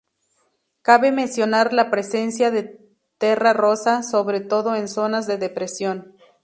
Cabe mencionar la presencia de "terra rosa", sobre todo en zonas de depresión.